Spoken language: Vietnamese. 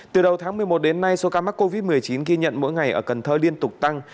từ đầu tháng một mươi một đến nay số ca mắc covid một mươi chín ghi nhận mỗi ngày ở cần thơ liên tục tăng